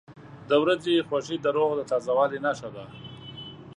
• د ورځې خوښي د روح د تازه والي نښه ده.